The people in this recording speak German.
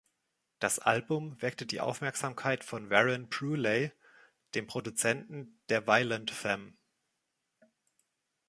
Das Album weckte die Aufmerksamkeit von Warren Bruleigh, dem Produzenten der Violent Femmes.